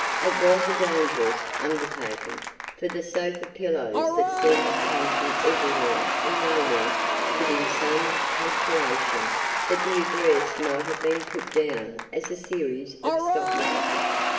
It was a dangerous, undertaking, for the sofa pillows that seemed to come from everywhere and nowhere put in so much punctuation that the address might have been put down as a series of stops.